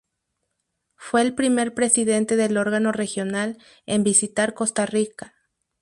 Fue el primer presidente del órgano regional en visitar Costa Rica.